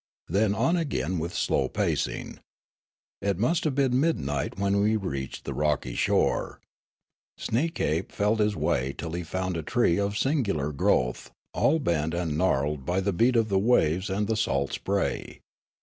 Then on again with slow pacing. It must have been midnight when we reached the rocky shore. Sneekape felt his way till he found a tree of singular growth, all bent and gnarled by the beat of the waves and the salt spray.